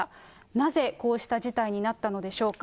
なぜこうした事態になったのでしょうか。